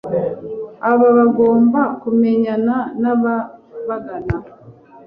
Aba bagomba kumenyana n’ababagana